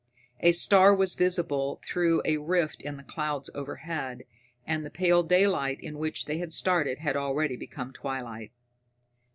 A star was visible through a rift in the clouds overhead, and the pale daylight in which they had started had already become twilight.